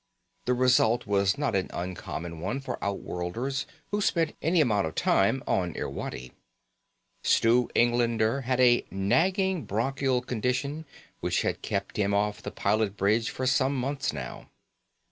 The result was not an uncommon one for outworlders who spent any amount of time on Irwadi: Stu Englander had a nagging bronchial condition which had kept him off the pilot bridge for some months now.